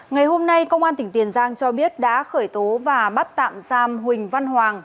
ngày hôm nay công an tỉnh tiền giang cho biết đã khởi tố và bắt tạm giam huỳnh văn hoàng